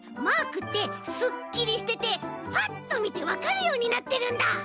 マークってすっきりしててパッとみてわかるようになってるんだ！